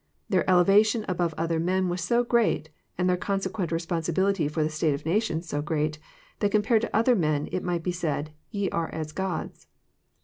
Their elevation above other men was so great, and their consequent responsibility for the state of nations so great, that compared to other men, it might be said, '' You are as gods."